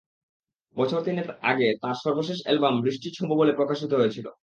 বছর তিনেক আগে তাঁর সর্বশেষ অ্যালবাম বৃষ্টি ছোঁব বলে প্রকাশিত হয়েছিল।